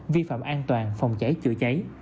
giữ sản xuất hàng hóa